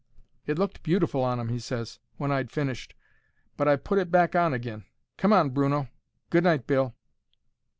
"It looked beautiful on 'im," he ses, when I'd finished; "but I've put it back agin. Come on, Bruno. Good night, Bill."